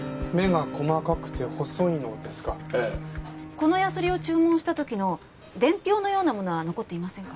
このヤスリを注文した時の伝票のようなものは残っていませんか？